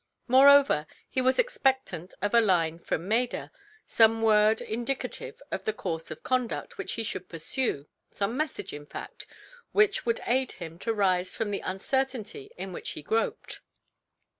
Moreover, he was expectant of a line from Maida, some word indicative of the course of conduct which he should pursue, some message, in fact, which would aid him to rise from the uncertainty in which he groped.